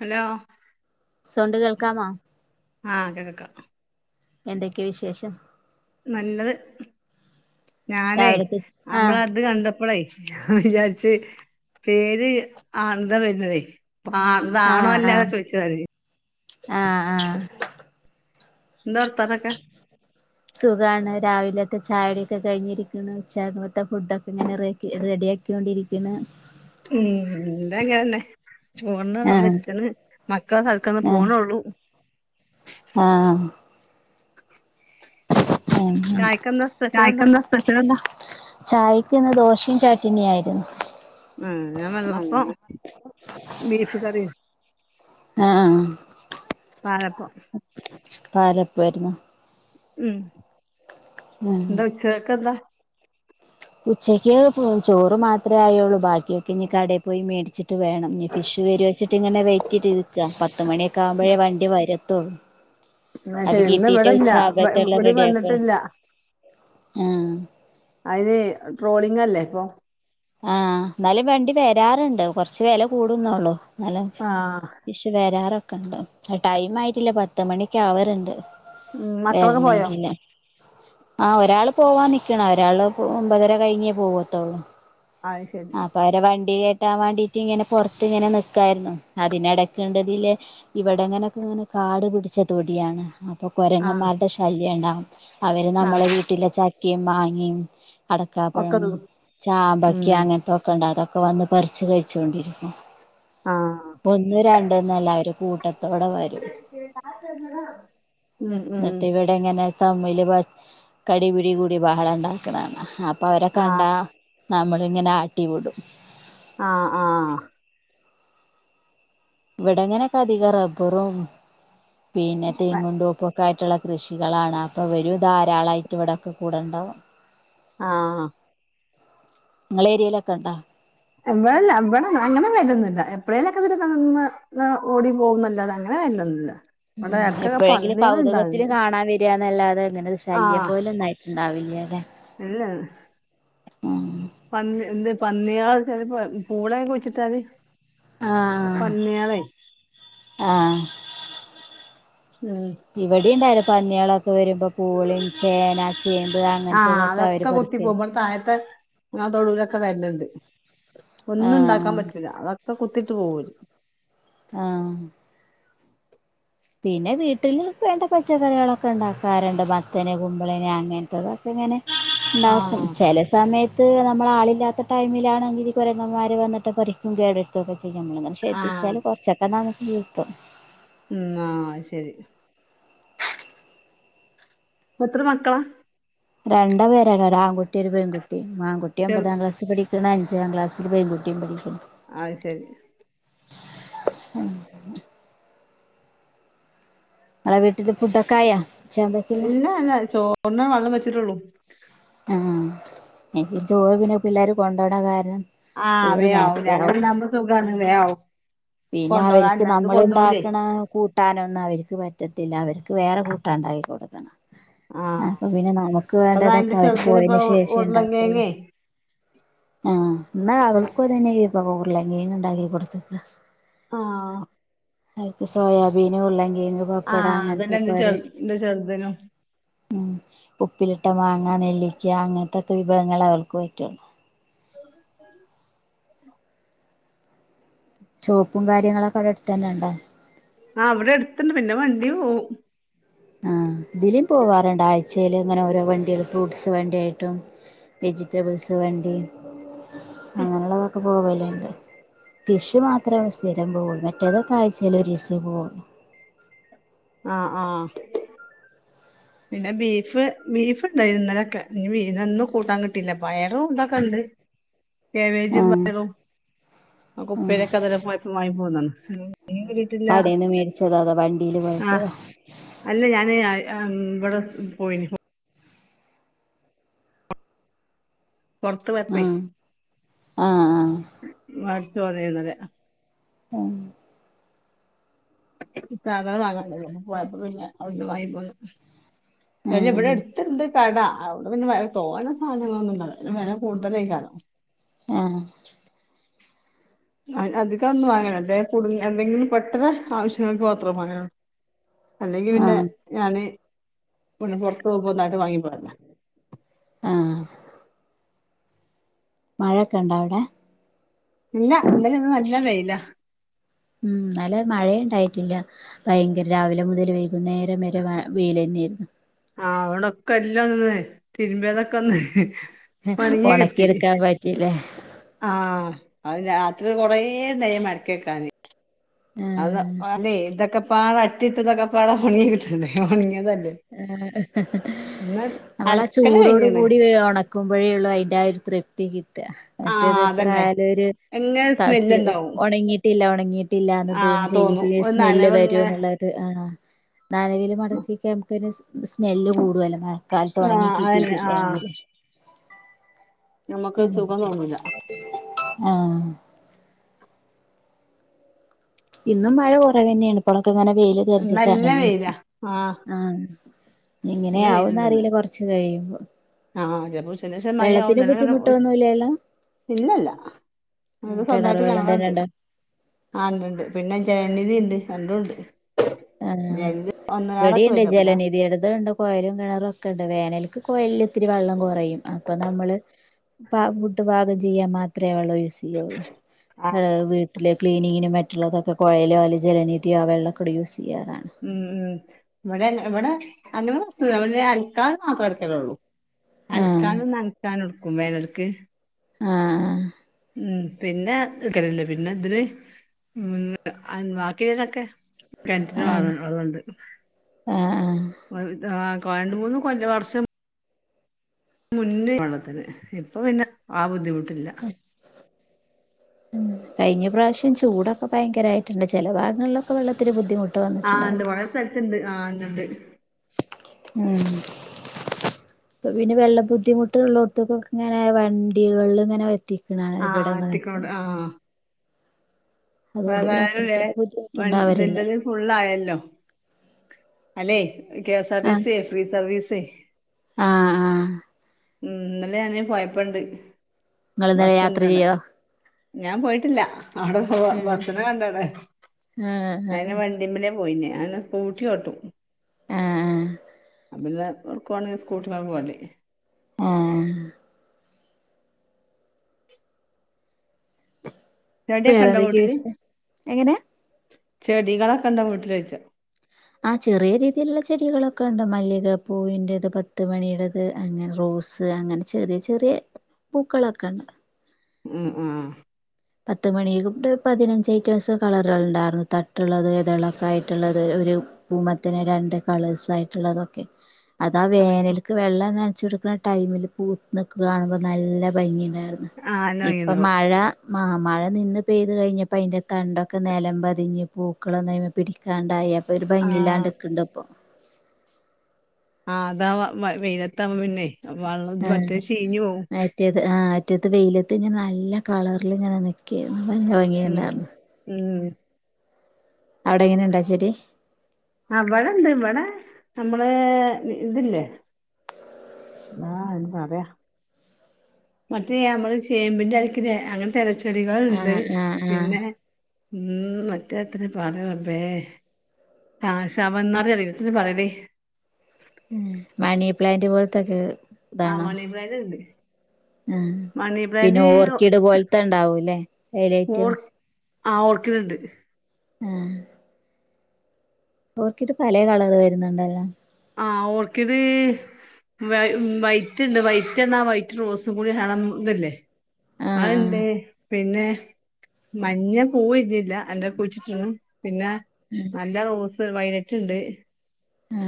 Hello sound കേൾക്കാമോ ആ കേക്കാം എന്തൊക്കെ വിശേഷം നല്ലത് ഞാനേ രാവിലത്തെ ആഹ് നമ്മളത് കണ്ടപ്പളേ ഞാൻ വിചാരിച്ച് പേര് ആനന്ദ വരുന്നതേ ആ ഇതാണോ അല്ലേ ചോദിച്ചതാര് ങാ ങാ എന്താ വർത്താനൊക്കെ സുഖാണ് രാവിലെ ചായോടിയൊക്കെ കഴിഞ്ഞിരിക്കണ് ഉച്ചാകത്തെ ഫുഡൊക്കെ ഇങ്ങനെ റേകി റെഡിയാക്കിക്കൊണ്ടിരിക്കണ് ഉം തന്നെ ആഹ് ആഹ് [unintelligible] ആഹ് ആ ചായക്കെന്താ സ്പെഷ്യൽ ചായക്ക്‌ എന്താ സ്പെഷ്യൽന്താ ചായ എനിക്കിന്ന് ദോശയും ചട്ടിണി ആയി രുന്നു ആ ഞാൻ വെള്ളപ്പം ബീഫ് കറി ആഹ് പാലപ്പം പാലപ്പാരുന്നു ഉം ന്താ ഉച്ചക്കേക്കെന്താ ഉച്ചക്ക് പോ ചോറ് മാത്രേ ആയുള്ളൂ ബാക്കിയൊക്കെ ഇനി കടയിൽ പോയി മേടിച്ചിട്ട് വേണം നി ഫിഷ് വരുവാ വെച്ചിട്ട് ഇങ്ങനെ വെയിറ്റ് ചെയ്ത് നിൽകുവ പത്ത് മണിയൊക്കെ ആകുമ്പോഴേവണ്ടി വരും [inaudible] എന്ന ശരി ഇന്നും ഇവിടല്ല ഇവിടെ റെഡിയാക്കാം വന്നിട്ടില്ല ആഹ് അതിന് ട്രോളിംഗ അല്ലേ ഇപ്പൊ ആഹ് എന്നാലും വണ്ടി വരാറുണ്ട് കുറച്ച് വില കൂടുന്നോള്ളൂ ആഹ് [unintelligible] ടൈം ആയിട്ടില്ല പത്ത് മണിക്ക് അവർണ്ട് ഉം മക്കളൊക്കെ പോയോ ആഹ ഒരാള് പോവാൻ നിക്കണ ഒരാള് ഒമ്പതര കഴിഞ്ഞേ പോവത്തോള്ളു അത് ശരി ആപ്പൊ അവരെ വണ്ടി കിട്ടാൻ വേണ്ടീട്ട് ഇങ്ങനെ പുറത്തിങ്ങനെ നിക്കായിരുന്നു അതിനിടക്ക്ണ്ട് ഇവിടെങ്ങനൊക്കെ ഇങ്ങനെ കാട് പിടിച്ച തൊടിയാണ് ഇപ്പൊ ആഹ് കൊരങ്ങമാരുടെ ശല്യണ്ട അവര് നമ്മളെ ആഹ് വീട്ടിലെ ച [unintelligible] ഒക്കെ അടക്കാപ്പഴം ത് ചാമ്പ ഉം [unintelligible] ഒക്കെ വന്ന് പറിച്ച് കഴിച്ചുകൊണ്ടിരിക്കും ആഹ് ഒന്നും രണ്ട എന്നല്ലര് കൂട്ടത്തോടെ വരും ഉം ഉം എന്നിട്ട് ഇവിടെ എങ്ങനെ മൊത്തം വലിയ കടി പിടി കൂടി ബഹ ളണ്ടാക്കണ അപ്പ അവര ആഹ് കണ്ടാ [unintelligible] ഇങ്ങനെ ആട്ടി വിടും ആഹ ആഹ ഇവിടെങ്ങനൊക്കെ അധികം റബ്ബറും പിന്നെ [unintelligible] കൊണ്ട് [unintelligible] ക്കായിട്ടുള്ള കൃഷികളാണ് അപ്പൊ ഇവരും ധാരാളമായിട്ട് ഇവിടൊക്കെ കൂടണ്ടാവും ആ ഹ നിങ്ങളെ ഏരിയയിലൊക്കെ ഇണ്ടാ ഇവിടെല്ല ഇവിടെ അങ്ങനെ വരോ ന്നില്ല എപ്പോഴേലൊക്കെ ഇതിക്കെ നിന്ന് ഓടി പോകുന്നില്ല അത് അങ്ങനെ വല്ലുന്നില്ല ഉ എപ്പോഴെങ്കിലും കൗതുകത്തിൽ കാണാൻ വരികന്നല്ലാതെങ്ങനെ ശല്യം പോലുംന്നായി ഉണ്ടാവില്ല്യാലേ അല്ല ഉം പന്നി പന്നിയാള് പൂള കുഴിച്ചിട്ടാല് ആഹ പന്നികളെ ആഹ ഉം ഇവിടെ ഉണ്ടായിനു പന്നികളൊക്കെ വരുമ്പോ പൂളിയും ചേന ചേമ്പ് ആ അങ്ങനത്തതൊക്കെ അവര് അതൊക്കെ കുത്തി പറിക്കല് പോവും ഇവിടെ താഴത്തെ തൊടൂല വരലുണ്ട് ഒന്നും ഉണ്ടാക്കാൻ ആഹ് പറ്റൂല്ല അ ഒക്കെ കുത്തിട്ട് പോവും ആ പിന്നെ വീട്ടിൽ വേണ്ട പച്ചക്കറികളൊക്കെ ഇണ്ടാക്കാറുണ്ട് മത്തന് കുമ്പളന് അങ്ങനത്തെതൊക്കെ ഇങ്ങനെ ഇണ്ടാക്കും ആഹ് ചില സമയത്ത് നമ്മള് ആളില്ലാത്ത ടൈമിലണങ്കിൽ കുരങ്ങന്മാര് വന്നിട്ട് പറിക്കും കേടു വരുത്തൊക്കെ ചെയ്യും നമ്മള് ആഹ് ശ്രെദ്ധിച്ചാല് കുറച്ചൊക്കെ ന [unintelligible] ഉം ആ ശരി എത്ര മക്കളാ രണ്ടാപേരാ ഒരു ആൺകുട്ടി ഒരു പെൺകുട്ടി ആൺകുട്ടി കുട്ടികൾ ഒമ്പതാം ക്ലാസ് പഠി അഞ്ചാം ക്ലാസിൽ പെൺകുട്ടിയും പഠിക്കണ് അത് ശരി ഉം ഇങ്ങളെ വീട്ടില് ഫുഡൊക്കായ ഇല്ല ഞാൻ ചോറിന് വെള്ളം വെച്ചി [unintelligible] ആ എനിക്ക് ചോറ് പിന്നെ പിള്ളോരും കൊണ്ടോണ കാരണം ആ ചോറ് വേയാവും നേരത്തെ ആവും അങ്ങനെല്ലാവുമ്പോ സുഖണ് വേഗാവും പിന്നെ അവർക്ക് നമ്മൾ ഇണ്ടാക്കണ ക്കൂ ട്ടാനൊന്നും അവർക്ക് പറ്റത്തില്ല അവർക്ക് വേറെ കൂട്ടാൻ ഇണ്ടാക്കി കൊടുക്കണം ആഹ് അപ്പൊ പിന്നെ നമുക്ക് അതാ വേണ്ടതൊക്കെ എന്റെ അവര് ചെറുതിന് ഇപ്പൊ പോയതിന് ശേഷം ഉണ്ടാകൊള്ളു ഉരുളങ്കിഴങ്ങേ ആ ഇന്നാ അവൾക്കും അത് തന്നെ ഇപ്പം ഉരുളക്കിഴങ്ങ് ഉണ്ടാക്കി കൊട്ത്ത് ആ ആയ്ക്ക് സോയാബീനും ഉള്ളെ ആ അത്‌ അന്നെ എന്ത് ചെറ് ത് ചെറുത്നും ഉം ഉപ്പില് ട്ട മാങ്ങാ നെല്ലിക്ക അങ്ങനത്ത വിഭവങ്ങൾ അവൾക്ക് പറ്റൊള്ളൂ ശോപ്പും കാര്യങ്ങളൊക്ക അവിടെ അടുത്ത് തന്ന ഒണ്ടാ ആ ഇവിടെ അടുത്ത്ണ്ട് പിന്നെ വണ്ടി പോം ആഹ് ഇതിലേം പോവാ റൊണ്ട് ആഴ്ച്ചേല് ഇങ്ങന ഓരോ വണ്ടികള് ഫ്രൂട്ട്സ് വണ്ടിയായിട്ടും വെജിറ്റബിൾസ് വണ്ടി അങ്ങനള്ളതക്ക പോവല്ലാണ്ട് കിഷ് മാത്രം സ്ഥിരം പോവുന്നേ മറ്റേതൊക്കെ ആഴ്ച്ചേല് ഒരീസേ പോവോളു ആഹ് ആഹ് പിന്നെ ബീഫ് ബീഫ് ഇണ്ടാര്ന്ന്ല ക നിങ്ങ ന്ന് ഇന്ന് കൂട്ടാൻ കിട്ടീല്ല. പയറും ഉണ്ടാക്കാന്ണ്ട് കേബേജും ആഹ് പയറും അ ആഹ് കുപ്പയിലൊക്ക അത് [unintelligible] മായ് പോവ്ന്നുണ്ട്. ഇങ് ഇങ്ക് കിട്ടില്ല കടേന്ന് മേടിച്ചതോ അതോ വണ്ടിയില് ആഹ് പോയപ്പോഴോ അല്ല ഞാന് ആ ഇഹ് അ അങ് ഇവ്ട മ് പോയേനീ പുറത്ത് പോയപ്പോയി ആഹ് ആഹ് ആഹ് തോന്നിയിരുന്നത് അ ആഹ് ഇ സാധ [unintelligible] പോയപ്പം പിന്നെ അവിട്ന്ന് വാങ്ങിട്ട് വന്നു ല്ല ഇവിടെ ആഹ് അട്ത്ത്ണ്ട് കട അവിട പിന്നെ വേറെ തോനെ സാധനങ്ങളൊന്നും കാണില്ല പിന്ന വെല കൂടുതലായി കാണോ ഏഹ് ഹ്‌ങാ അധിക ഒന്നും വാങ്ങര്‌ തേ. കുടിങ്ങ് എന്തെങ് പെട്ടെന്ന് ആവശ്യങ്ങൾക്ക് മാത്രം വാങ്ങാനാണ് അല്ലെങ്കി പിന്നെ ആഹ് ഞാന്- ഒന്ന് പൊറത്ത്‌ പോകുമ്പോ ഒന്ന് അ അത് വാങ്ങി പോകണ്ടാ ആഹ് മഴേക്ക ഒണ്ടാ അവിടെ ഇന്നലെ ഇന്ന് നല്ല ഇല്ല വെയില ഉം നല്ല മഴ ഇണ്ടായിട്ടില്ല ഭയങ്കര രാവിലെ മുതൽ വൈകുനേരം വരെ വ വെയില്ന്നെ ആയിരുന്നു ആഹ് അവ്ടൊക്കെല്ലാം ഒന്ന്ന്നായ് തിരുമ്പിയതൊക്കൊന്ന് ഒണക്കി എട്ക്കാൻ പറ്റി അല്ലെ ആഹ് അത് രാത്രി കൊറേ നേ മടക്കി വെക്കാന് അത ആഹ് അല്ലെ ഇതക്ക പാറ അട്ടി ഇട്ടതക്കപ്പോല ഹുണീതിട്ടിട്ടുണ്ടേ ഒണങ്ങിയതല്ല നമ്മള അലക്കല് ചൂടോട് കഴിഞ്ഞണ് കൂടി വെ ഒണ ക്കുമ്പോഴേയൊള്ളു അതിന്റെ ആയൊരു തൃപ്തി കി- ട്ട ആ മറ്റേത് എത്ര അതന്നെ ആയാലും ഒരു എങ്ങനെ സ്മെല്ല് സ്ത്ര ഉണ്ടാവും ഒണങ്ങിയിട്ടില്ല ഒണങ്ങിട്ടില്ലാന്ന് ആ തോന്നും ചെയ്യും പിന്നെ ഒരു സ്മെല്ല് നനവ് വരും ഇങ്ങനെ എന്നുള്ളത് ആ അ നനവില് മടക്കി ഒരു സ് സ്മെല്ല് കൂടുവല്ലേ [unintelligible] ആ കാലത്ത്ഒണങ്ങി അതന്നെ കിട്ടിട്ടില്ല ആ എങ്കില് നമ്മക്ക് സുഖം തോന്നൂല്ല ആ ഇന്നും മഴ കൊറവ് ന്നെയാണ് ഇപ്പള് ക്കങ്ങനെ വെയില് നല്ല തെറിച്ചിട്ടാണ് വെയിലാ [unintelligible] ആ നല്ല വെയിലുണ്ടെന്ന് എങ്ങനെയാവുന്നറില്ല കൊർച്ച് കഴിയുമ്പോ ആ ആ ചെലപ്പം ഉച്ചകഴിഞ്ഞ ശേഷം മഴ വെള്ളത്തിന് ആവും [unintelligible] ബുദ്ധിമുട്ടൊന്നുമില്ലല്ലോ ഇല്ലല്ല ആഹ് ഞങ്ങക്ക്‌ കെണറ് സ്വന്തമായിട്ട് വെള്ളം തന്നെ കെണറുണ്ട് ഉണ്ടോ ആ ണ്ടണ്ട് പിന്നെ ജെനനിധി ഉണ്ട് രണ്ടും ഉണ്ട് ആ ജലനിധി ഒന്നരാടൊക്കെ ഇവിടെയുണ്ട് വരും പിന്നെ ജലനിധിയെ ടെതും ഒണ്ട് കൊഴലും കെണറും ഒക്കെ ഉണ്ട് വേനല് ക്ക്‌ കോയലിൽ ത്തിരി വെള്ളം കുറയും അപ്പൊ നമ്മള് ഫുഡ് പാകം ചെയ്യാൻ മാത്രം കെണറ്റിലെ വെള്ളം യൂസ് ചെയ്യള്ളൂ വീട്ടി വീട്ടില് ക്ലീനിങ്ങിനും മറ്റുള്ളതൊക്കെ കൊയലിലെ വലിച്ച് ജലനിധിയോ വെള്ളക്കൂടെ യൂസ് യ്യ ഉം ഉം ഇവിടെ ഇവിടെ അങ്ങനൊന്നും ല്ലപിന്നെ അലക്കാൻ മാത്ര എടുക്കലെള്ളു ആഹ് അലക്കാനും നനക്കാനും എട്ക്കും [unintelligible] ആആ ഉം പിന്നെ എടുക്കലില്ല പിന്നെ ഇതില് ബാക്കിയുള്ളക്കെ കെണറ്റില് വെള്ള ആഹ് വെള്ളമൊണ്ട് ആഹ് ആഹ് [unintelligible] രണ്ട് മൂന്ന് കൊല്ല വർഷം മുന്നേ വെള്ളത്തിന് ഇപ്പൊ പിന്നെ ആ ബുദ്ധിമുട്ട് ഇല്ല ഉം കഴിഞ്ഞ പ്രാവശ്യം ചൂടൊക്കെ ഭയങ്കരയിട്ട്ണ്ട് ചെല ഭാഗങ്ങളിലൊക്കെ വെള്ളംഇത്തിരി ബുദ്ധിമു ആ ഉണ്ട് വളരെ സ്ഥലത്തുണ്ട് ആ ണ്ട് ഉം അപ്പ പിന്നെ വെള്ള ബുദ്ധിമുട്ടള്ളോടത്തക്കൊക്കെ ഇങ്ങനെ വണ്ടികള് ഇങ്ങനെ വ എത്തിക്കണാണ് ആ ഇവിടങ്ങളൊക്കെ എത്തിക്കണോണ്ട് അപ്പോ അതുകൊണ്ട് പിന്നെ അതായല്ലേ അത്രത്തന്നെ വ ബുദ്ധിമുട്ടുണ്ടാവലില്ല ഇതിന്റേതു ഫുള്ളായല്ലോ അല്ലെ ആഹ് കെഎസ്ആർടിസി യെ ഫ്രീ സർവീസെ ആഹ് ആഹ് ഉം ഇന്നല്ലെ ഞാന് പോയപ്പണ്ട് നിങ്ങൾ ഇന്നലെ യാത്ര ബസ്സുണ്ടവിടെ ചെയ്യോ ഞാൻ പോയിട്ടില്ല അവിടെ ഏഹ് ഭക്ഷണം കണ്ടവിടെ ആഹ് ഞാൻ ആഹ് വണ്ടിമ്മലെ പോയിഞ്ഞെ ഞാൻ സ്കൂട്ടി ഓട്ടും ആ ആ അ പിന്നെ ഉറക്കുവാണെങ്കിൽ സ്കൂട്ടിമ്മേ പോരല് ഏ ചെടിയൊക്കെ വേറെ ഇണ്ടോ എന്തൊക്കെയ വീട്ടില് വിശേ എങ്ങനെ ചെടികളൊക്കെ ഇണ്ടാ വീട്ടില് യിച്ച ആ ചെറിയ രീതിയിലുള്ള ചെടികളൊക്കെ ഉണ്ട് മല്ലികപ്പൂവിന്റേത് പത്ത് മണിയടത് അങ്ങനെ റോസ് അങ്ങനെ ചെറിയ ചെറിയ പൂക്കളൊക്കെ ഉണ്ട് മ് മ് പത്ത് മണി കൂട്ട് പതിനഞ്ചയ്ട്ട് സൈസ് കളറുണ്ടായിരുന്നു തട്ടുള്ളത് തിളക്ക ആയിട്ടുള്ളത് ഒരു പൂമത്തിന് രണ്ട് കളേഴ്സ് ആയിട്ടുള്ളതൊക്കെ അതാ ആഹ് വേനല്ക്ക് വെള്ളം നെ വച്ചെടുക്കുന്ന ടൈമിൽ പൂത്ത് നിക്ക്ള് കാണുമ്പോൾ നല്ല ഭംഗിയ ണ്ടാർന്ന് ആഹ് എല്ലാം ഇപ്പൊ വാങ്ങിയതാവും മഴ മാ മഴ നിന്ന് പെയ്തു കഴിഞ്ഞപ്പോ അതിൻന്റെ തണ്ടൊക്കെ നിലം പതിഞ്ഞ് പൂക്കളൊന്നും അതിമ്മേ പിടിക്കാണ്ടായി ഇപ്പൊ ഒരു ഭംഗി ആഹ് ഇല്ലാണ്ട്ക്ക്ണ്ട് അപ്പൊ ആ അതാ വ വെയിലത്ത ആവുമ്പോ പിന്നെ അ വെള്ള പറ്റെ ചീഞ്ഞുപോവും മുറ്റത്ത് വെയിലത്ത് ഇങ്ങനെ നല്ല കളറിൽ ഇങ്ങനെ നിൽക്ക നല്ല ഉം ഭംഗിണ്ടാർന്ന് ഉം അവിടെ എങ്ങനെണ്ടാച്ചെടി ആ ഇവിടണ്ട് ഇവിടെ നമ്മള് ഇതില്ലേ ആ പറയാ മറ്റേ നമ്മള് ചേമ്പിന്റെ യെല അങ്ങനെത്തെരച്ച ആ ചെടികള്ണ്ട് ആ ആ പിന്നെ മ്മ്മ് മറ്റേ അത്ര പറ റബ്ബേ ആ ശവന്നറി [unintelligible] പ്ലാൻറ്റ് പോലത്ത്ക്ക് ആ അതാണോ മണി പ്ലാന്റ് ഉണ്ട് ആ മണി പിന്നെ പ്ലാന്റ് ഓർക്കിഡ് പോലത്തെ ഒണ്ടാവൂല്ലേ ഓർ എലൈറ്റംസ് ആ ഓർക്കിഡ്ണ്ട് ആ ഓർക്കിഡ് പലേ കളറ് വര്ന്ന്ണ്ടല്ലോ ആ ഓർക്കിഡ് വൈറ്റ് ഇണ്ട് വൈറ്റ് എന്നാ വൈറ്റ് റോസും കൂടി ഇളം ഇത് ല്ലേ ആ ആ അത്ണ്ട് പിന്നെ മഞ്ഞ പൂവ് വിരിഞ്ഞില്ല അന്റെ കുഴിച്ചിട്ട്ക്കിണ് പിന്നെ നല്ല റോസ് വയ റ്റ്ണ്ട് ആ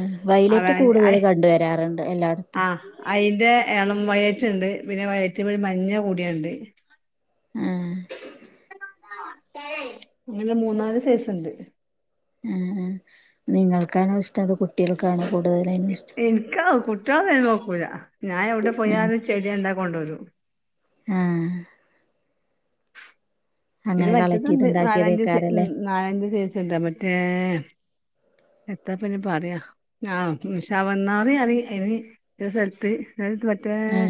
ആ വയ്ലറ്റ് കൂടുതല് കണ്ട് വരാറോണ്ട് എല്ലാടത്തും അയിന്റെ എള്ളം വയറ്റ്ണ്ട് പിന്നെ വയലറ്റ് മഞ്ഞ കൂടിയൊണ്ട് ആഹ് അങ്ങനെ മൂന്നാല് സൈസ് ഇണ്ട് ഉം ഉം നിങ്ങൾ ക്കാണോ ഇഷ്ടം അതോ കുട്ടികൾക്കാണോ കൂട്തലെയിന് ഇഷ്ടം കുട്ടാളൊന്നും അയിന് നോക്കൂല ഞാൻ എയുടെ പോയാലും ചെടി കണ്ടാ കൊണ്ടോരും ആ അയിൽ അങ്ങനെ കളക്ട് ചെയ്ത് വറ്റുന്നുണ്ട് നാലഞ്ച് സെ ഉണ്ടാക്കിയതേക്കാരല്ലേ നാലഞ്ച് സൈസ് ഇണ്ട് മറ്റേ എത്താപ്പയിന് പറാ ആ ഉം ശവംന്നാ റി പറിം ആയിന് ഒര് സൽത്ത് അയ് ഇത് മറ്റേ ആ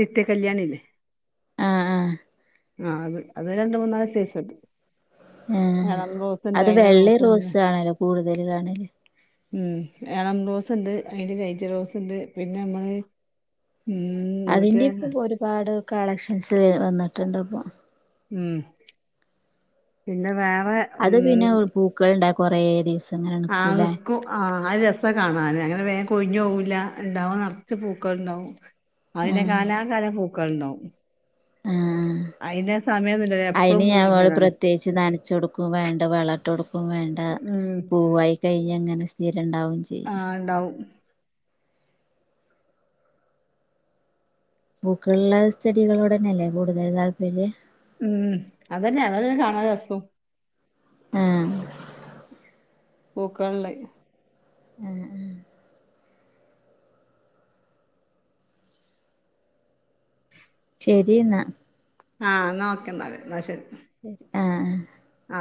നിത്യ കല്യാണി ഇല്ലേ ആ ആ ആ അത് അത് രണ്ട് മൂന്നാൽ സെയ്സ് ഇണ്ട് ആ അത് വെള്ളിം റോസ്ണ്ട് റോസും ആണല്ലോ കൂടുതൽ കാണൽ ഉം ഏളം റോസ് ഇണ്ട് അയിന്റെ ലൈറ്റ് റോസ് ഇണ്ട് പിന്നെ നമ്മൾ അതിന്റെ ഇപ്പ ഒരുപാട് കളക്ഷൻസ് വന്ന്ട്ട് ഇണ്ട് ഇപ്പൊ ഉം പിന്നെ വേം അത് പിന്നെ ഹ് പൂക്കൾ ഇണ്ടാക്കു കൊറെ ദിവസം ഇങ്ങനെ ആ നിക്കൂല്ലേ നിക്കും ആ ആഹ് രസാ കാണാന് അങ്ങനെ വേമ് കൊഴിഞ്ഞ് പോവുല്ലാ ഇണ്ടാകുമ്പോ നെർച്ച് പൂക്കൾ ഇണ്ടാവും അയ് പിന്നെ ആഹ് കാലാകാലം പൂക്കൾ ഇണ്ടാവും ആ സമയൊന്നുല്ലല്ലോ എപ്പളും അയിന് ഞമ്മൾ പൂവിരിഞ്ഞതാണ്. പ്രത്യേകിച്ച് നനച്ച് കൊട്ക്കും വേണ്ട വളം ഇട്ട് കൊട് ഇപ്പ വേണ്ട ഉം പൂവായി കഴിഞ്ഞങ്ങനെ സ രണ്ടാവും ചെയ്യ ആഹ് ഇണ്ടാവും പൂക്കൾ ഇള്ള ചെടികളോടെന്നെ അല്ലേ കൂടുതൽ താല്പര്യം ഉം അതന്നെ അതല്ലെ കാണാൻ രസും ആ പൂക്കൾ ഇള്ളെയ് അ അ ശരി ഇന്നാ ആ ന്നാ ഓക്കെ ഇന്നാൽ ന്നാ ശരി ആ അ ആ